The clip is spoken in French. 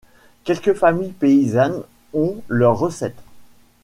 Quelques familles paysannes ont leur recette.